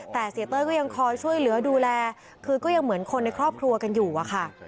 แต่เสียเต้ยก็ยังคอยช่วยเหลือดูแลคือก็ยังเหมือนคนในครอบครัวกันอยู่อะค่ะ